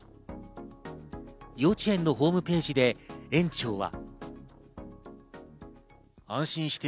幼稚園のホームページで園長は。